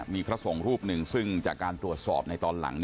มีพระสงฆ์รูปหนึ่งซึ่งจากการตรวจสอบในตอนหลัง